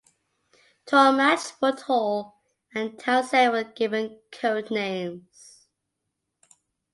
Tallmadge, Woodhull, and Townsend were given code names.